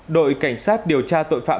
đội cảnh sát điều tra tội phạm